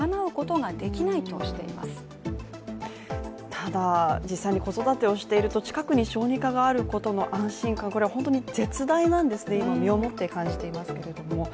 ただ実際に子育てをしていると近くに小児科があることの安心感、これは本当に絶大なんですね、今身を持って感じていますけれども。